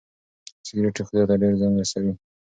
سګریټ روغتیا ته ډېر زیان رسوي.